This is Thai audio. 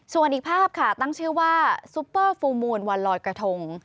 ส่วนอีกภาพค่ะตั้งชื่อว่าซุปเปอร์ฟูลมูลวันลอยกระทง